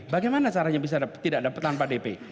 bagaimana caranya tidak dapatkan dp